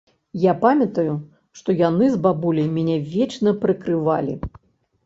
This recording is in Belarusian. Я памятаю, што яны з бабуляй мяне вечна прыкрывалі.